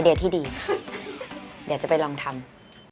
เดี๋ยวจะไปลองทำ